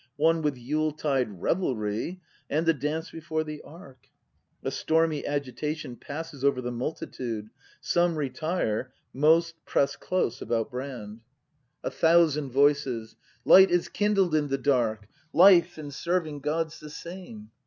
One with Yule tide revelry And the Dance before the Ark. [A stormy agitation passes over the multitude; some retire; most press close about Brand. 262 BRAND [act v A Thousand Voices. Light is kindled in the dark; — Life and serving God's the same!